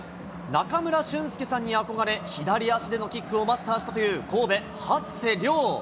中村俊輔さんに憧れ、左足でのキックをマスターしたという神戸、初瀬亮。